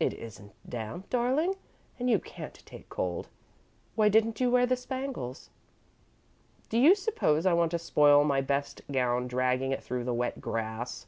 "It isn't damp, darling, and you can't take cold. Why didn't you wear the spangles?" "Do you suppose I want to spoil my best gown dragging it through the wet grass?"